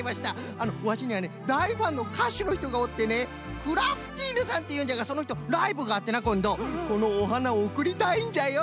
あのワシにはねだいファンのかしゅのひとがおってねクラフティーヌさんっていうんじゃがそのひとライブがあってなこんどこのおはなをおくりたいんじゃよ。